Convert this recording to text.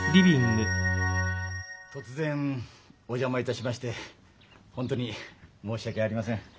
突然お邪魔いたしまして本当に申し訳ありません。